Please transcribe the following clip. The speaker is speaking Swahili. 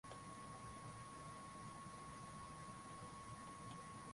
Katika Kombe la Dunia la mwaka elfu moja mia tisa tisini na nne Marekani